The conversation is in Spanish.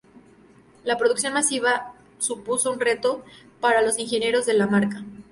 La producción masiva supuso un reto para los ingenieros de la marca.